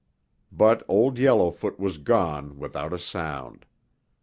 But Old Yellowfoot was gone without a sound.